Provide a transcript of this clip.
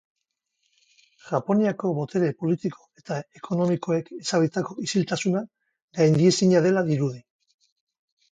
Japoniako botere politiko eta ekonomikoek ezarritako isiltasuna gaindiezina dela dirudi.